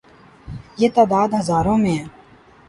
یہ تعداد ہزاروں میں ہے۔